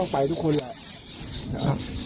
ต้องไปทุกคนแหละ